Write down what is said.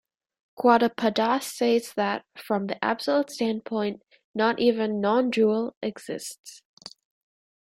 Gaudapada states that, from the absolute standpoint, not even "non-dual" exists.